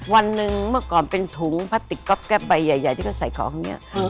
วันหนึ่งเมื่อก่อนเป็นถุงพลาสติกก๊อบแป๊บใบใหญ่ที่เขาใส่ของเนี่ย